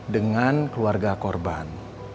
dengan keluarga korban